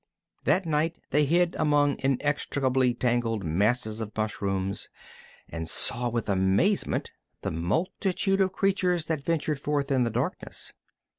That night they hid among inextricably tangled masses of mushrooms, and saw with amazement the multitude of creatures that ventured forth in the darkness.